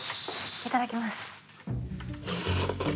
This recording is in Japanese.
いただきます。